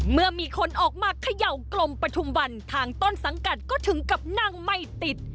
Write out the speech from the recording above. เมื่อมีคนออกมาเขย่ากลมปฐุมวันทางต้นสังกัดก็ถึงกับนั่งไม่ติด